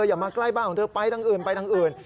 อย่ามาใกล้บ้านของเธอไปทางอื่น